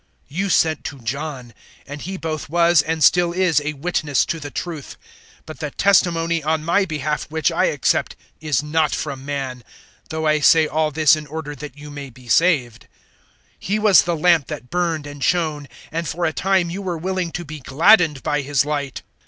005:033 "You sent to John, and he both was and still is a witness to the truth. 005:034 But the testimony on my behalf which I accept is not from man; though I say all this in order that you may be saved. 005:035 He was the lamp that burned and shone, and for a time you were willing to be gladdened by his light.